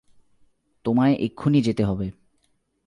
তোমায় এক্ষুণি যেতে হবে।